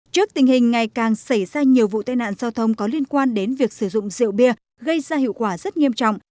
trước tình hình ngày càng xảy ra nhiều vụ tai nạn giao thông có liên quan đến việc sử dụng rượu bia gây ra hiệu quả rất nghiêm trọng